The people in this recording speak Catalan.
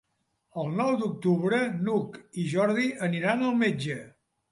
El nou d'octubre n'Hug i en Jordi aniran al metge.